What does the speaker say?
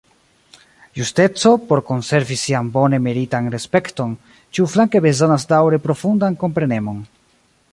Justeco, por konservi sian bone meritan respekton, ĉiuflanke bezonas daŭre profundan komprenemon.